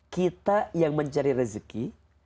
kita yang mencari rezeki